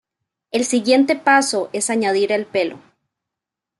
El siguiente paso es añadir el pelo.